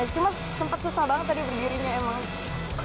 cuma sempat susah banget tadi berdirinya emang